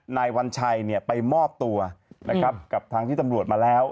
นายวัญชัยไปมอบตัวนะครับกับทางที่ตำรวจมาแล้ว